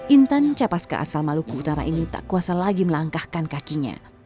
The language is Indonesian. intan capaska asal maluku utara ini tak kuasa lagi melangkahkan kakinya